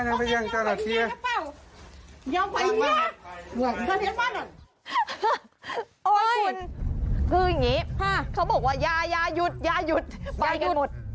โอ๊ยคุณคืออย่างงี้เขาบอกว่าอย่าอย่าหยุดอย่าหยุดไปกันหมด